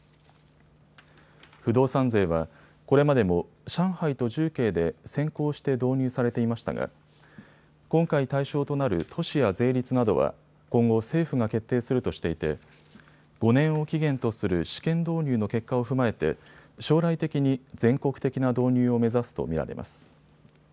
不動産税は、これまでも上海と重慶で先行して導入されていましたが今回対象となる都市や税率などは今後、政府が決定するとしていて５年を期限とする試験導入の結果を踏まえて将来的に全国的な導入を目指すと見られます。